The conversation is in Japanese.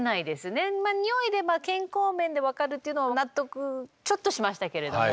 においで健康面で分かるっていうのは納得ちょっとしましたけれども。